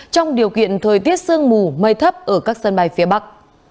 trong điều kiện thời tiết sương mù mây thấp ở các sân bay phía bắc